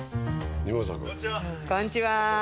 こんちは。